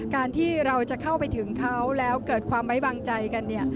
การที่เราจะเข้าไปถึงเขาแล้วเกิดความไว้วางใจกัน